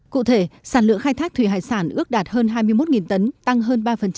cụ thể sản lượng khai thác thủy hải sản ước đạt hơn hai mươi một tấn tăng hơn ba